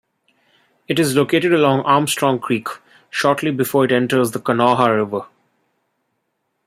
It is located along Armstrong Creek shortly before it enters the Kanawha River.